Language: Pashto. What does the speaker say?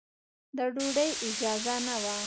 د ډوډۍ اجازه نه وه.